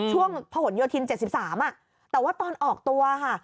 ช่วงพระหลโยธินเจ็ดสิบสามอ่ะแต่ว่าตอนออกตัวค่ะ